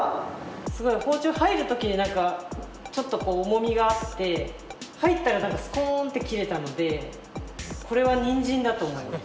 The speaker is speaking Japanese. すごい包丁入る時に何かちょっとこう重みがあって入ったら何かスコーンって切れたのでこれはニンジンだと思います。